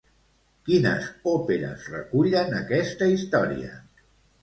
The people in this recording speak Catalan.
Quines òperes recullen aquesta història?